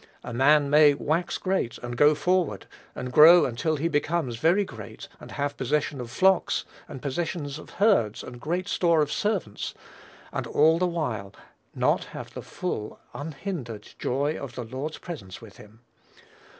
A man may "wax great, and go forward, and grow until he becomes very great, and have possession of flocks, and possession of herds, and great store of servants," and all the while not have the full, unhindered joy of the Lord's presence with him.